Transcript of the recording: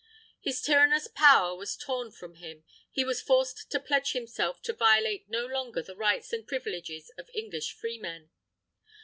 His tyrannous power was torn from him. He was forced to pledge himself to violate no longer the rights and privileges of English freemen.